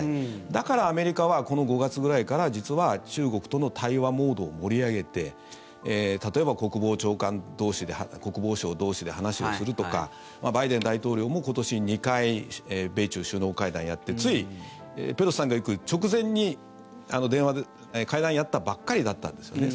だから、アメリカはこの５月くらいから実は中国との対話モードを盛り上げて例えば国防長官同士国防相同士で話をするとかバイデン大統領も今年２回、米中首脳会談をやってつい、ペロシさんが行く直前に電話で会談をやったばっかりだったんですね。